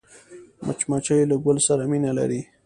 مچمچۍ له ګل سره مینه لري